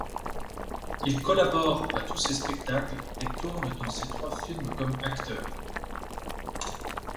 Il collabore à tous ses spectacles et tourne dans ses trois films comme acteur.